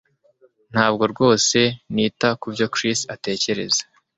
Ntabwo rwose nita kubyo Chris atekereza